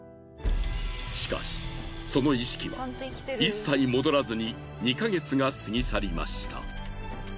しかしその意識は一切戻らずに２ヵ月が過ぎ去りました。